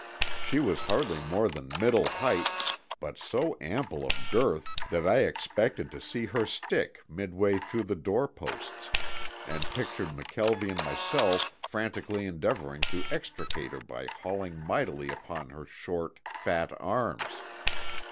She was hardly more than middle height, but so ample of girth that I expected to see her stick midway between the door posts, and pictured McKelvie and myself frantically endeavoring to extricate her by hauling mightily upon her short, fat arms.